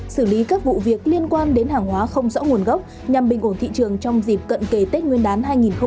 xử lý các vụ việc liên quan đến hàng hóa không rõ nguồn gốc nhằm bình ổn thị trường trong dịp cận kề tết nguyên đán hai nghìn hai mươi